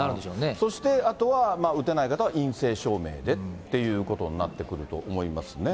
そしてあとは打てない方は陰性証明でっていうことになってくると思いますね。